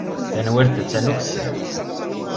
Tanwalt attan ukessar.